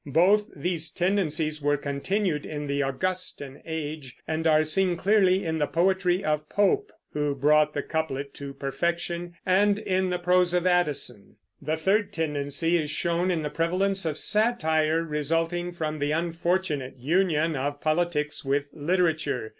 Both these tendencies were continued in the Augustan Age, and are seen clearly in the poetry of Pope, who brought the couplet to perfection, and in the prose of Addison. A third tendency is shown in the prevalence of satire, resulting from the unfortunate union of politics with literature.